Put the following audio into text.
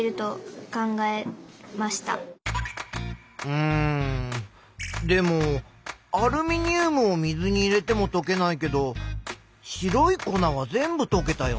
うんでもアルミニウムを水に入れてもとけないけど白い粉は全部とけたよね。